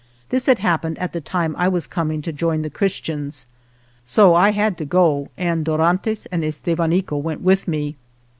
This had happened at the time I was coming to join the Chris tians. So I had to go, and Dorantes and Estevanico went with me.